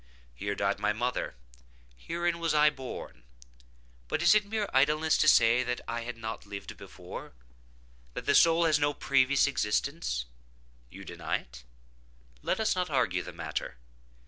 Here died my mother. Herein was I born. But it is mere idleness to say that I had not lived before—that the soul has no previous existence. You deny it?—let us not argue the matter.